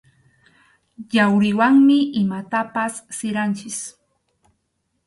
Yawriwanmi imatapas siranchik.